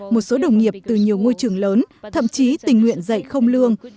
một số đồng nghiệp từ nhiều ngôi trường lớn thậm chí tình nguyện dạy không lương